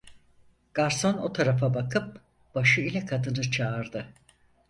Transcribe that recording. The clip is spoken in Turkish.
Garson o tarafa bakıp, başı ile kadını çağırdı.